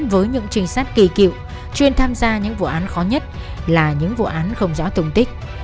với những trinh sát kỳ cựu chuyên tham gia những vụ án khó nhất là những vụ án không rõ tùng tích